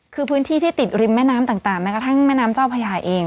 คือพื้นที่ที่ติดริมแม่น้ำต่างแม้กระทั่งแม่น้ำเจ้าพญาเอง